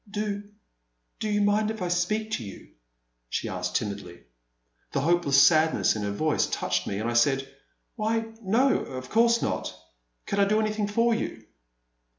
Do — do you mind if I speak to you ?" she asked timidly. The hopeless sadness in her voice touched me, and I said :Why, no, of course not. Can I do an3rthing for you